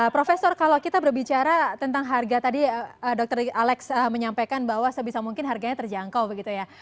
profesor kalau kita berbicara tentang harga tadi dr alex menyampaikan bahwa sebisa mungkin harganya terjangkau begitu ya